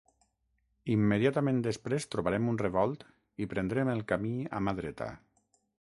Immediatament després, trobarem un revolt i prendrem el camí a mà dreta.